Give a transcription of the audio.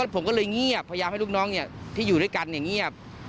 ผมก็เลยเงียบพยายามให้ลูกน้องที่อยู่ด้วยกันเงียบ